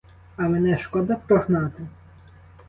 А мене шкода прогнати?